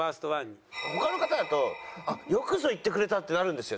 他の方だと「よくぞ言ってくれた」ってなるんですよ